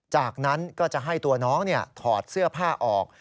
จากนั้นก็จะให้ตัวน้องถอดเสื้อผ้าออก